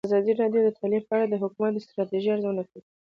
ازادي راډیو د تعلیم په اړه د حکومتي ستراتیژۍ ارزونه کړې.